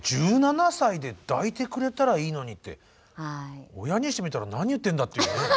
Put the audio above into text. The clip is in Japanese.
１７歳で「抱いてくれたらいいのに」って親にしてみたら何言ってんだっていうね。